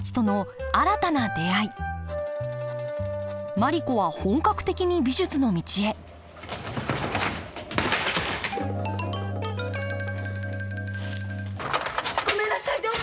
マリ子は本格的に美術の道へごめんなさい！